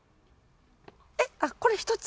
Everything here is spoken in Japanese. えっあっこれ１つ？